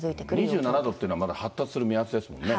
２７度というのは、まだ発達する目安ですもんね。